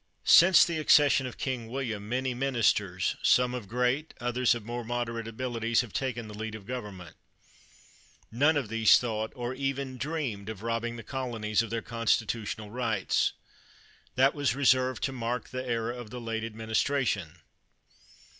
Since the accession of King William, many ministers, some of great, others of more moder ate abilities, have taken the lead of government. None of these thought, or even dreamed, of robbing the colonies of their constitutional rights. That was reserved to mark the era of the late administration.